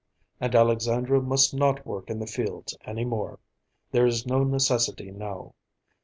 And Alexandra must not work in the fields any more. There is no necessity now.